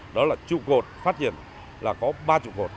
đó là trụ cột phát triển là có ba trụ cột